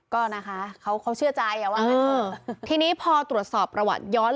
ก็นะคะเขาเขาเชื่อใจว่าตัวล่ะทิ้งนี้พอตรวจสอบระวัติย้อนหลัง